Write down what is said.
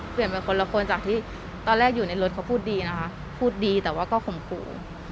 เป็นคนละคนจากที่ตอนแรกอยู่ในรถเขาพูดดีนะคะพูดดีแต่ว่าก็ข่มขู่